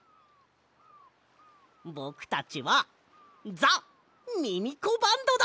ぼくたちはザ・ミミコバンドだ！